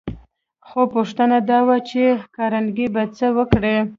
خو پوښتنه دا وه چې کارنګي به څه وکړي